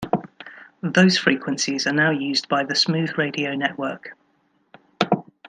Those frequencies are now used by the Smooth Radio network.